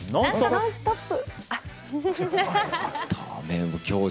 「ノンストップ！」。